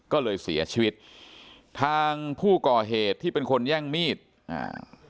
ก็เลยเสียชีวิตทางผู้ก่อเหตุที่เป็นคนแย่งมีดอ่า